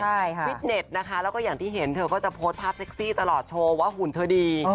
ใช่ค่ะฟิตเน็ตนะคะแล้วก็อย่างที่เห็นเธอก็จะโพสต์ภาพเซ็กซี่ตลอดโชว์ว่าหุ่นเธอดี